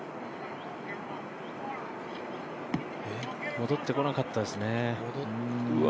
戻ってこなかったですね。